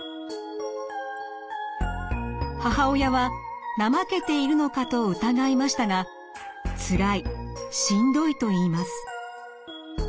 母親は怠けているのかと疑いましたが「つらいしんどい」と言います。